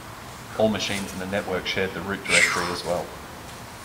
All machines in a network shared the root directory as well.